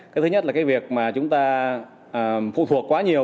cái thứ nhất là cái việc mà chúng ta phụ thuộc quá nhiều